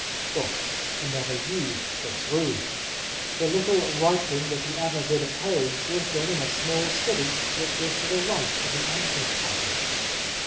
But he never used this room. The little writing that he ever did at home was done in a small study which was to the right of the entrance passage.